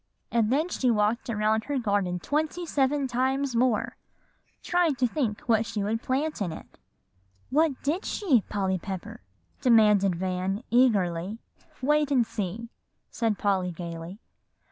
And then she walked around her garden twenty seven times more, trying to think what she would plant in it." "And what did she, Polly Pepper?" demanded Van eagerly. "What did she plant in it?" "Wait and see," said Polly gayly.